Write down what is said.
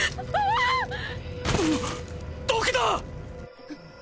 毒だ！